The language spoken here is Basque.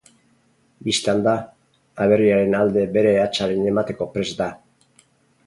Bistan da, aberriaren alde bere hatsaren emateko prest da.